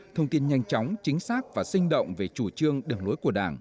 thông tin nhanh chóng chính xác và sinh động về chủ trương đường lối của đảng